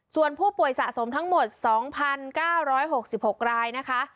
ส่วนผู้ป่วยสะสมทั้งหมด๒๙๖๖รายนะคะ